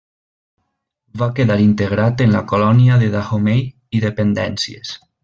Va quedar integrat en la colònia de Dahomey i dependències.